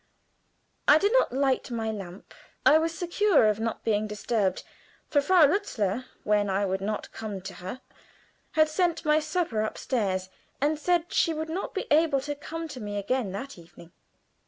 I did not light my lamp. I was secure of not being disturbed; for Frau Lutzler, when I would not come to her, had sent my supper upstairs, and said she would not be able to come to me again that evening.